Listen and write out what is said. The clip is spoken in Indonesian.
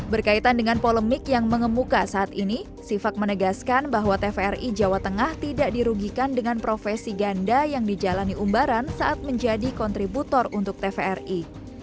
berkaitan dengan polemik yang mengemuka saat ini sifak menegaskan bahwa tvri jawa tengah tidak dirugikan dengan profesi ganda yang dijalani umbaran saat menjadi kontributor untuk tvri